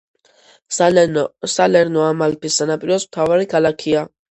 სალერნო ამალფის სანაპიროს მთავარი ქალაქია.